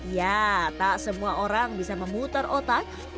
ya tak semua orang bisa memutar otak untuk membangun